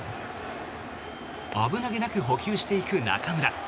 危なげなく捕球していく中村。